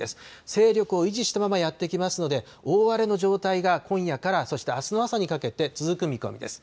勢力を維持したままやって来ますので、大荒れの状態が今夜からそしてあすに朝にかけて続く見込みです。